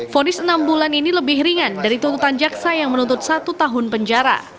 fonis enam bulan ini lebih ringan dari tuntutan jaksa yang menuntut satu tahun penjara